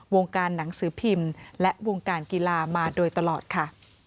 วงการหนังสือพิมพ์และวงการกีฬามาโดยตลอดค่ะ